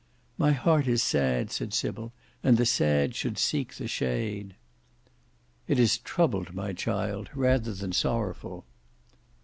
"My heart is sad," said Sybil, "and the sad should seek the shade." "It is troubled, my child, rather than sorrowful."